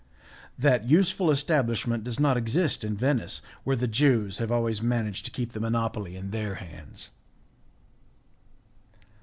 That useful establishment does not exist in Venice, where the Jews have always managed to keep the monopoly in their hands.